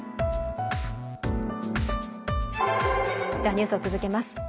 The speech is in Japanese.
ニュースを続けます。